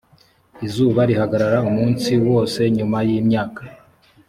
izuba rihagarara umunsi wose nyuma y imyaka